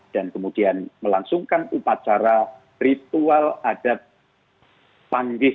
dan kemudian melangsungkan upacara ritual adat panggih